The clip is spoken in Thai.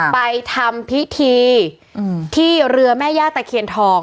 ไปทำพิธีที่เรือแม่ย่าตะเคียนทอง